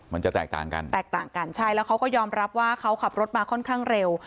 มันจะแตกต่างกันแตกต่างกันใช่แล้วเขาก็ยอมรับว่าเขาขับรถมาค่อนข้างเร็ว